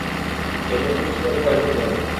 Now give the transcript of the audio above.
এতে পুরুষদের ভয় পেতে হবে!